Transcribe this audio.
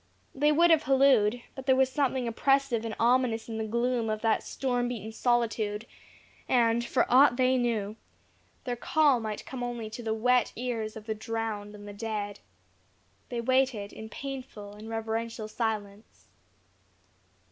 They would have hallooed, but there was something oppressive and ominous in the gloom of that storm beaten solitude; and, for aught they knew, their call might come only to the wet ears of the drowned and the dead. They waited in painful and reverential silence.